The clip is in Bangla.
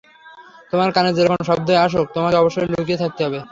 তোমার কানে যেরকম শব্দই আসুক, তোমাকে অবশ্যই লুকিয়ে থাকতে হবে।